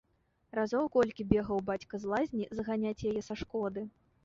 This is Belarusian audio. Разоў колькі бегаў бацька з лазні зганяць яе са шкоды.